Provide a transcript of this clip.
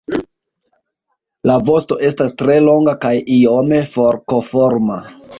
La vosto estas tre longa kaj iome forkoforma.